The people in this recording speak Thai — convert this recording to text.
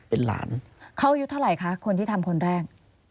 เขาอายุเท่าไหร่คะคนที่ทำคนแรก